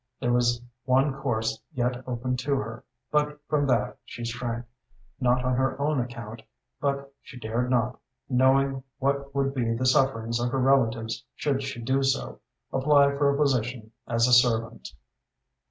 There was one course yet open to her, but from that she shrank, not on her own account, but she dared not knowing what would be the sufferings of her relatives should she do so apply for a position as a servant.